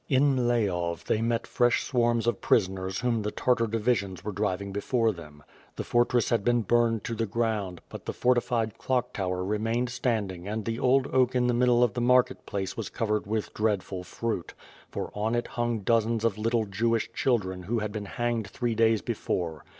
In Mleyov tliey met fresh swarms of prisoners whom the Tartar divisions were driving before them. The fortress had been burned to the ground, but the fortified clock tower re mained standing and the old oak in the middle of the market place was covered with dreadful fruit, for on it hung dozens of little Jewish children who had been hanged three days before.